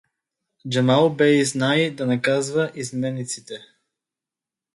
Джамал бей знай да наказва изменниците.